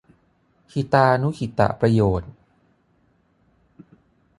หิตานุหิตประโยชน์